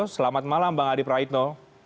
selamat malam bang adi praitno